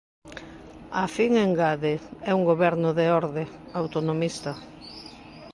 Á fin, engade, "é un goberno de orde, autonomista".